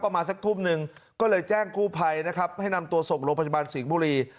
ประมาณสักทุ่มหนึ่งก็เลยแจ้งกู้ภัยนะครับให้นำตัวส่งโรงพยาบาลสิงห์บุรี